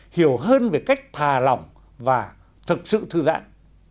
hiểu hơn về cách thà lòng và thực sự thư giãn